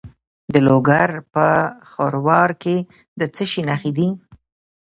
د لوګر په خروار کې د څه شي نښې دي؟